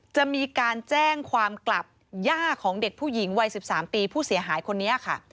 จะมีการแจ้งความกลับย่าของเด็กผู้หญิงวัย๑๓ปีผู้เสียหายคนนี้ค่ะ